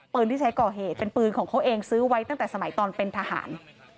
ที่ใช้ก่อเหตุเป็นปืนของเขาเองซื้อไว้ตั้งแต่สมัยตอนเป็นทหาร